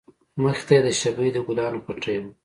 مخې ته يې د شبۍ د گلانو پټى و.